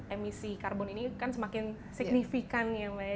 emisi karbon ini kan semakin signifikan ya maksudnya